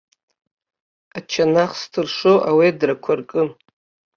Ачанах зҭыршоу ауедрақәа ркын.